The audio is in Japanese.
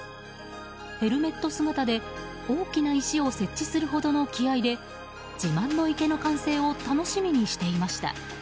ヘルメット姿で大きな石を設置するほどの気合で自慢の池の完成を楽しみにしていました。